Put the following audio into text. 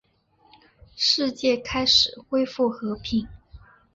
世界开始恢复和平。